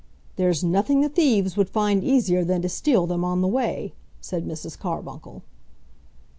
"There's nothing the thieves would find easier than to steal them on the way," said Mrs. Carbuncle.